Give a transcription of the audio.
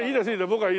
僕は。